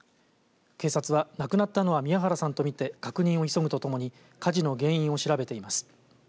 警察は亡くなったのは宮原さんと見て確認を急ぐとともに火事の原因を調べています。